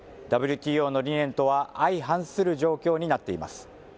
ＷＴＯの理念とは相反する状況になっています。